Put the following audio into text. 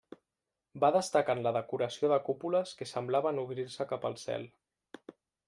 Va destacar en la decoració de cúpules que semblaven obrir-se cap al cel.